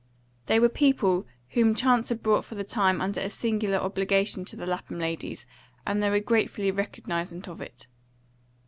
They were people whom chance had brought for the time under a singular obligation to the Lapham ladies, and they were gratefully recognisant of it.